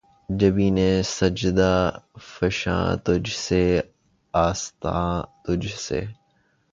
جبینِ سجدہ فشاں تجھ سے‘ آستاں تجھ سے